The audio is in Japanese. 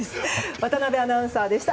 渡辺アナウンサーでした。